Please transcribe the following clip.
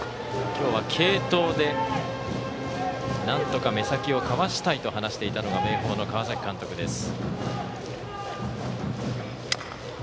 今日は継投でなんとか目先をかわしたいと話していたのが明豊の川崎監督です。